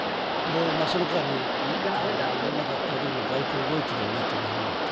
その間にいろんな格好で外交、動いてるよね、日本はと。